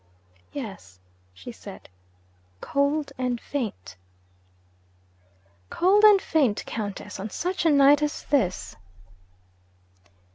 'Yes,' she said. 'Cold and faint.' 'Cold and faint, Countess, on such a night as this?'